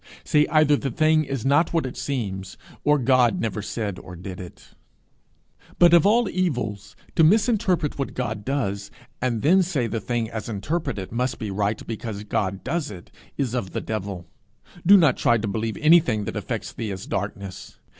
Say either the thing is not what it seems, or God never said or did it. But, of all evils, to misinterpret what God does, and then say the thing as interpreted must be right because God does it, is of the devil. Do not try to believe anything that affects thee as darkness.